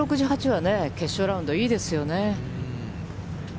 ６８、６８は、決勝ラウンド、いいですよね。